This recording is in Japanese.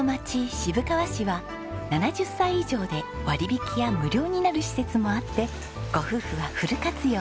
渋川市は７０歳以上で割引や無料になる施設もあってご夫婦はフル活用。